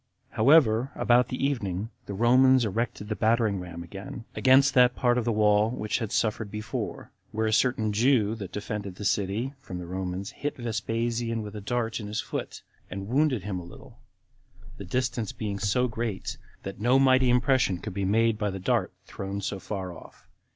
However, about the evening, the Romans erected the battering ram again, against that part of the wall which had suffered before; where a certain Jew that defended the city from the Romans hit Vespasian with a dart in his foot, and wounded him a little, the distance being so great, that no mighty impression could be made by the dart thrown so far off.